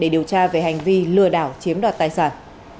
để điều tra về hành vi lừa đảo chiếm đoạt tài sản